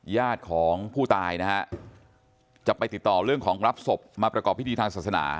ญาติของผู้ตายนะฮะจะไปติดต่อเรื่องของรับศพมาประกอบพิธีทางศาสนา